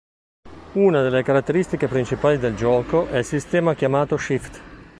Una delle caratteristiche principali del gioco è il sistema chiamato Shift.